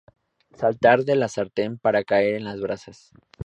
Saltar de la sartén para caer en las brasas